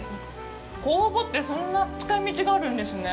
酵母ってそんな使い道があるんですね。